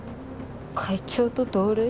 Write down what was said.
会長と同類？